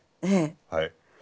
はい。